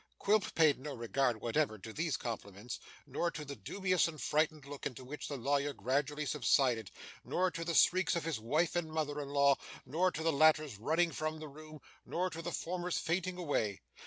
Quilp paid no regard whatever to these compliments, nor to the dubious and frightened look into which the lawyer gradually subsided, nor to the shrieks of his wife and mother in law, nor to the latter's running from the room, nor to the former's fainting away.